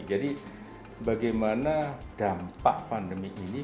jadi bagaimana dampak pandemi ini